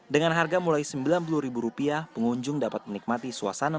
dengan harga mulai sembilan puluh pengunjung dapat menikmati suasana